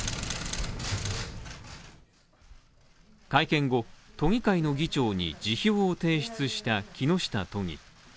会見後、都議会の議長に辞表を提出した木下都議。